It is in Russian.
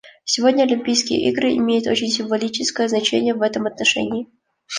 Сегодня Олимпийские игры имеют очень символическое значение в этом отношении.